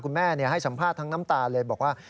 คุณแม่ให้สัมภาษณ์ทั้งน้ำตาเลยบอกว่า